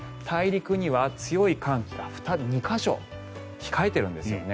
大陸には強い寒気が２か所控えているんです。